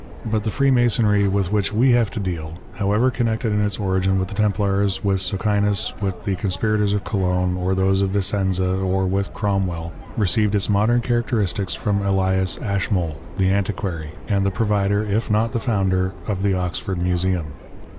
But the Freemasonry with which we have to deal, however connected in its origin with the Templars, with Socinus, with the conspirators of Cologne, or those of Vicenza, or with Cromwell, received its modern characteristics from Ellas Ashmole, the Antiquary, and the provider, if not the founder, of the Oxford Museum.